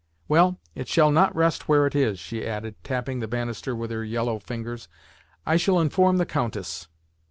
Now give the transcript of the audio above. "Well, it shall not rest where it is," she added, tapping the banister with her yellow fingers. "I shall inform the Countess."